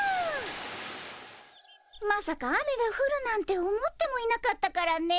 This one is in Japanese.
まさか雨がふるなんて思ってもいなかったからねえ。